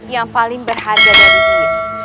yang paling berharga dari kita